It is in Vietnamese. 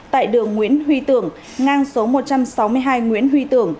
tại đường nguyễn huy tưởng ngang số một trăm sáu mươi hai nguyễn huy tưởng